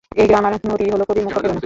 এই গ্রাম আর নদীই হল কবির মুখ্য প্রেরণা।